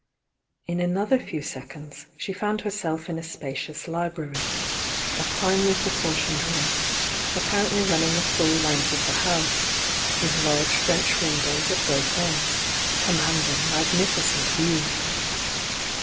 In another few seconds she found herself in a spa cious library — a finely proportioned room, apparent ly running the full length of the house, with large French windows at both ends, commanding mag nificent views.